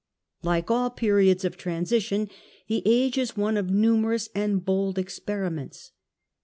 Like all periods of transition, the age is one of numerous and bold experiments.